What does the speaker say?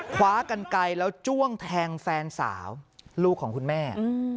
คว้ากันไกลแล้วจ้วงแทงแฟนสาวลูกของคุณแม่